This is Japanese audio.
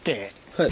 はい。